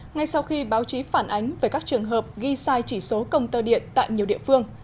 ngay sau khi báo chí phản ánh về các trường hợp ghi sai chỉ số công tơ điện tại nhiều địa phương